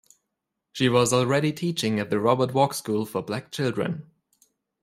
She was already teaching at the Robert Vaux School for black children.